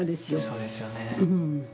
そうですよね。